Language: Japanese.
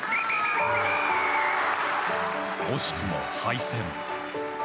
惜しくも敗戦。